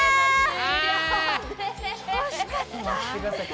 惜しかった！